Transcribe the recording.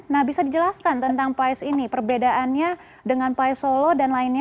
nah bisa dijelaskan tentang pais ini perbedaannya dengan pai solo dan lainnya